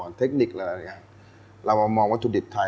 แล้วเราไปนั่งรอข้างนอกดีกว่า